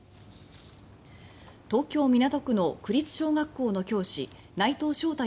東京・港区の区立小学校の教師内藤翔太